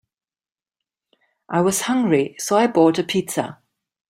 I was hungry, so I bought a pizza.